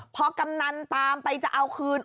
พอกำนันตามไปจะเอาคืน